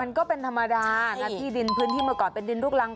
ก็เป็นธรรมดานะที่ดินพื้นที่เมื่อก่อนเป็นดินลูกรัง